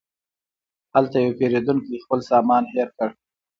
هلته یو پیرودونکی خپل سامان هېر کړ.